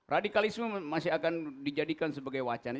radikalisme masih akan dijadikan sebagai wacana